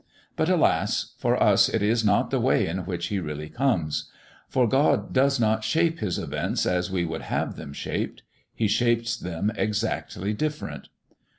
But, alas! for us it is not the way in which He really comes. For God does not shape His events as we would have them shaped; He shapes them exactly different.